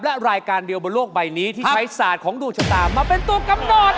และรายการเดียวบนโลกใบนี้ที่ใช้ศาสตร์ของดวงชะตามาเป็นตัวกำหนด